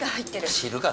知るか。